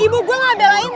ibu gue gak belain lo